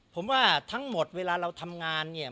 ผมว่าทั้งหมดเวลาเราทำงานเนี่ย